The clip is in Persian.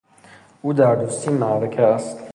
او در دوستی معرکه است.